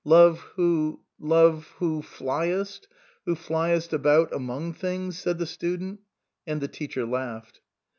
Love who Love who fliest, who fliest about among things," said the student. And the teacher laughed.